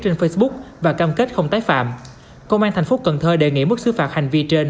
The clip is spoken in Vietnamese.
trên facebook và cam kết không tái phạm công an thành phố cần thơ đề nghị mức xứ phạt hành vi trên